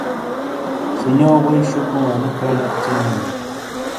ِسنیو ووئی شوکوں انو کھینر چلمی نی۔